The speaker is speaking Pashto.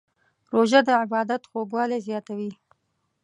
روژه د عبادت خوږوالی زیاتوي.